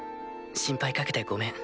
心配かけてごめん。